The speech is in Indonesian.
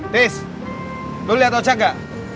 tis lu liat ocak gak